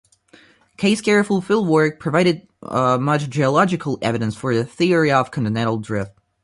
Kay's careful fieldwork provided much geological evidence for the theory of continental drift.